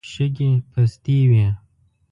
شګې پستې وې.